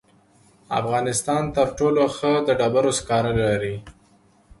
افغانستان تر ټولو ښه د ډبرو سکاره لري.